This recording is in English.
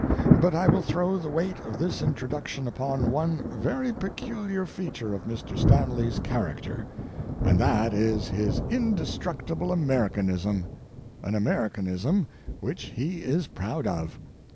But I will throw the weight of this introduction upon one very peculiar feature of Mr. Stanley's character, and that is his indestructible Americanism—an Americanism which he is proud of.